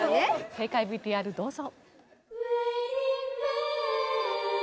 正解ＶＴＲどうぞ。